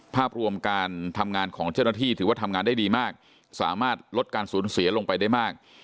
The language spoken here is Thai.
ภาพรวมการทำงานของเจ้าหน้าที่ถือว่าทำงานได้ดีมากสามารถลดการสูญเสียลงไปได้มาก